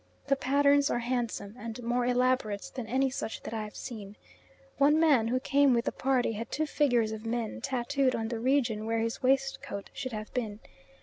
The patterns are handsome, and more elaborate than any such that I have seen. One man who came with the party had two figures of men tattooed on the region where his waistcoat should have been.